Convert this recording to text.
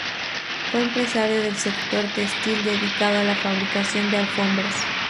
Fue empresario del sector textil, dedicado a la fabricación de alfombras.